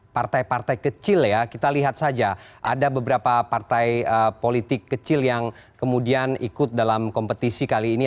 partai partai kecil ya kita lihat saja ada beberapa partai politik kecil yang kemudian ikut dalam kompetisi kali ini